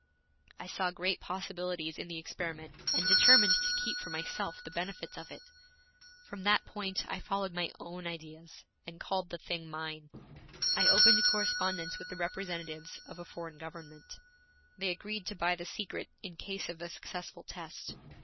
I saw great possibilities in the experiment and determined to keep for myself the benefits of it. From that point I followed my own ideas, and called the thing mine. I opened correspondence with the representatives of a foreign government. They agreed to buy the secret in case of a successful test.